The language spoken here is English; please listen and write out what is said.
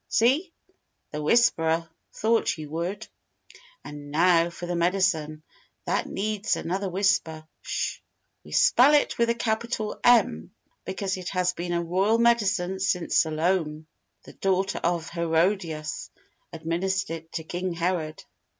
See? The 'Whisperer' thought you would!_ "And now for the Medicine. That needs another whisper. Sh! "_We spell it with a capital M, because it has been a royal Medicine since Salome, the daughter of Herodias, administered it to King Herod.